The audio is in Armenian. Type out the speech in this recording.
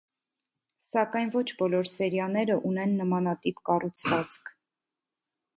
Սակայն ոչ բոլոր սերիաները ունեն նմանատիպ կառուցվածք։